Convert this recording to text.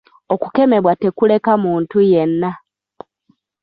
Okukemebwa tekuleka muntu yenna.